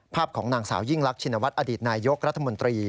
ของนางสาวยิ่งรักชินวัฒนอดีตนายกรัฐมนตรี